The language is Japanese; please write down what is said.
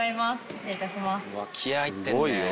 失礼いたします。